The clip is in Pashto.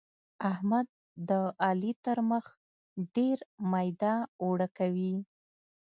احمد د علي تر مخ ډېر ميده اوړه کوي.